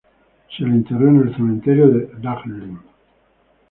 Se le enterró en el cementerio de Dahlem.